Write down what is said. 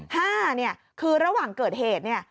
ห้าคือระหว่างเกิดเหตุ